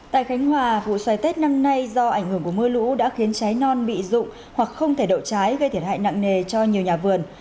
tại khánh hòa vụ xoài tết năm nay do ảnh hưởng của mưa lũ đã khiến trái non bị rụng hoặc không thể đậu trái gây thiệt hại nặng nề cho nhiều nhà vườn